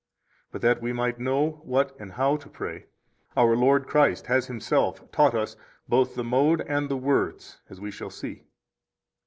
3 But that we might know what and how to pray, our Lord Christ has Himself taught us both the mode and the words, as we shall see.